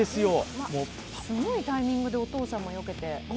すごいタイミングでお父さんもよけてよかった。